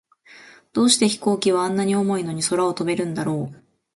どうして飛行機は、あんなに重いのに空を飛べるんだろう。